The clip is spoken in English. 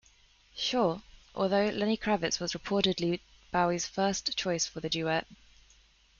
Sure!, although Lenny Kravitz was reportedly Bowie's first choice for the duet.